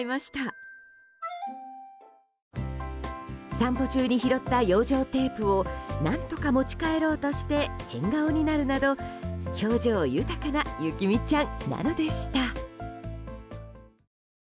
散歩中に拾った養生テープを何とか持ち帰ろうとして変顔になるなど表情豊かな雪海ちゃんなのでした。